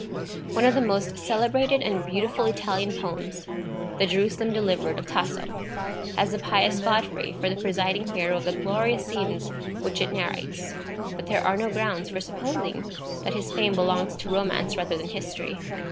One of the most celebrated and beautiful Italian poems, the "Jerusalem Delivered" of Tasso, has "the pious Godfrey" for the presiding hero of the glorious scenes which it narrates. But there are no grounds for supposing that his fame belongs to romance rather than history.